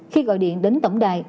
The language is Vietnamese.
khi gọi điện đến tổng đài